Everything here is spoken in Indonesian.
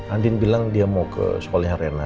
andien bilang dia mau ke sekolahnya rena